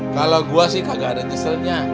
kalau gua sih kagak ada yang nyeselnya